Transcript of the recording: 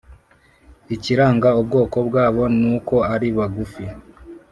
ikiranga ubwoko bwabo nuko aribagufi